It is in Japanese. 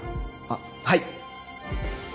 あっはい！